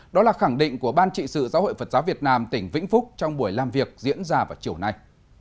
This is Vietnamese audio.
đó là khẳng định của ban trị sự giáo hội phật giáo việt nam tỉnh vĩnh phúc trong buổi làm việc diễn ra vào chiều nay